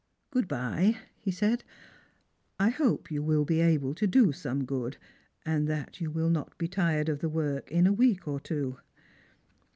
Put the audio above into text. " Good bye," he said. " I hope you will be able to do some good, and that you will not be tired of the work in a week or two."